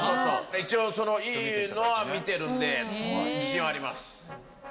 一応いいのは見てるんで自信はあります。